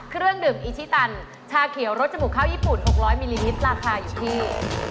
เครื่องดื่มอิชิตันชาเขียวรสจมูกข้าวญี่ปุ่น๖๐๐มิลลิลิตรราคาอยู่ที่